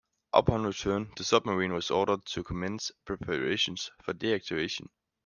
Upon return, the submarine was ordered to commence preparations for deactivation.